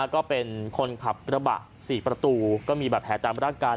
ก็เป็นคนขับกระบะ๔ประตูก็มีบาดแผลตามร่างกาย